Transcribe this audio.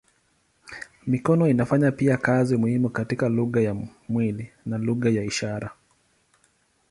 Mikono inafanya pia kazi muhimu katika lugha ya mwili na lugha ya ishara.